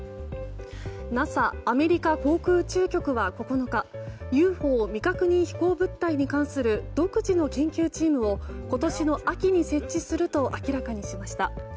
ＮＡＳＡ・アメリカ航空宇宙局は９日ＵＦＯ・未確認飛行物体に関する独自の研究チームを今年の秋に設置すると明らかにしました。